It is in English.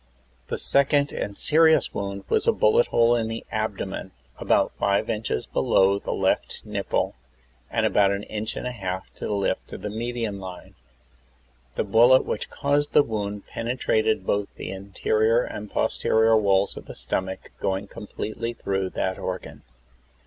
The second and serious wound was a bullet hole in the abdomen, about five inches below the left nipple and an inch and a half to the left of the median line. The bullet which caused that wound penetrated both the inte rior and posterior walls of the stomach, going completely through that organ.